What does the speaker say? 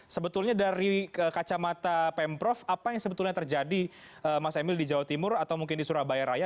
sebetulnya dari kacamata pemprov apa yang sebetulnya terjadi mas emil di jawa timur atau mungkin di surabaya raya